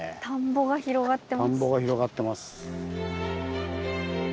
田んぼが広がってます。